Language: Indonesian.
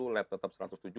lab tetap satu ratus tujuh